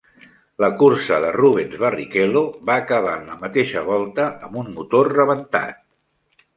La cursa de Rubens Barrichello va acabar en la mateixa volta amb un motor rebentat.